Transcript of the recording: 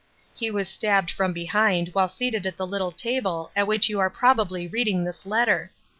He was stabbed from behind while seated at the little table at which you are probably reading this letter.